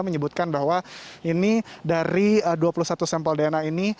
menyebutkan bahwa ini dari dua puluh satu sampel dna ini